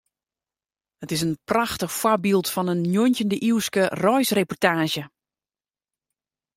It is in prachtich foarbyld fan in njoggentjinde-iuwske reisreportaazje.